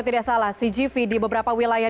tidak salah cgv di beberapa wilayah